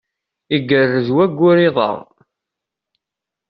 Igerrez wayyur iḍ-a.